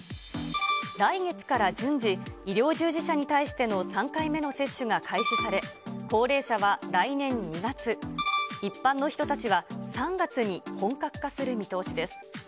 来月から順次、医療従事者に対しての３回目の接種が開始され、高齢者は来年２月、一般の人たちは３月に本格化する見通しです。